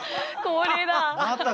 これだ。